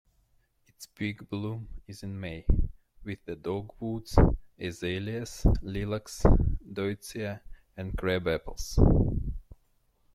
Its peak bloom is in May, with the dogwoods, azaleas, lilacs, deutzia and crabapples.